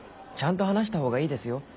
ちゃんと話した方がいいですよ